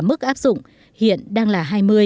mức áp dụng hiện đang là hai mươi